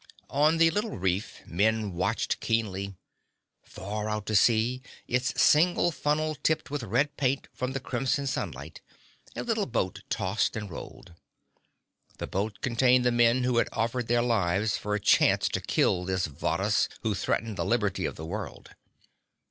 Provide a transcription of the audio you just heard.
On the little reef men watched keenly. Far out at sea, its single funnel tipped with red paint from the crimson sunlight, a little boat tossed and rolled. That boat contained the men who had offered their lives for a chance to kill this Varrhus, who threatened the liberty of the world.